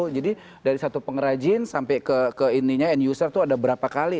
jadi dari satu pengrajin sampai ke end user tuh ada berapa kali